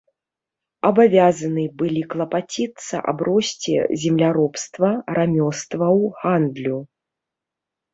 Абавязаны былі клапаціцца аб росце земляробства, рамёстваў, гандлю.